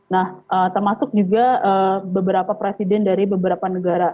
nah termasuk juga beberapa presiden dari beberapa negara